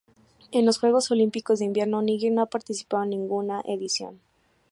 En los Juegos Olímpicos de Invierno Níger no ha participado en ninguna edición.